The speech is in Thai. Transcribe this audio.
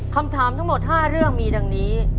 คำถามทั้งหมด๕เรื่องมีดังนี้